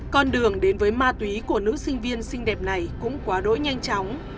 con đường đến với ma túy của nữ sinh viên xinh đẹp này cũng quá đỗi nhanh chóng